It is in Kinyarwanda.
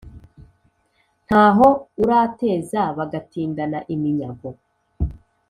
ntaho urateza bagatindana iminyago.